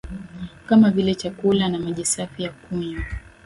kama vile chakula na maji safi ya kunywa